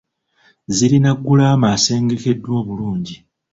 Zirina ggulama asengekeddwa obulungi.